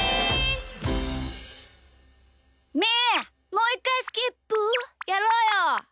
もういっかいスキップゥやろうよ。